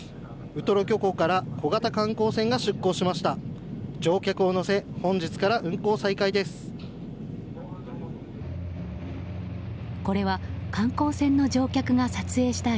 ウトロ漁港から小型観光船が出港しました。